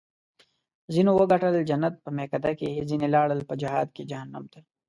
ځینو وګټل جنت په میکده کې ځیني لاړل په جهاد کې جهنم ته